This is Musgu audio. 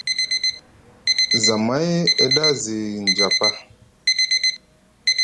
Zamay e ɗa zi njapa.